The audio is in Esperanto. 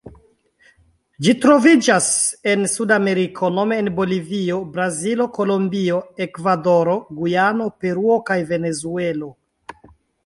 Ĝi troviĝas en Sudameriko nome en Bolivio, Brazilo, Kolombio, Ekvadoro, Gujano, Peruo kaj Venezuelo.